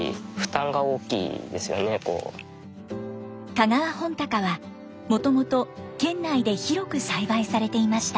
香川本鷹はもともと県内で広く栽培されていました。